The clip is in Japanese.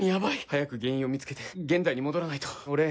早く原因を見つけて現代に戻らないと。